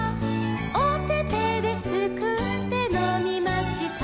「おててですくってのみました」